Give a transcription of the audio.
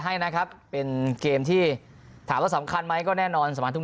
ให้นะครับเป็นเกมที่ถามว่าสำคัญไหมก็แน่นอนสมาทุก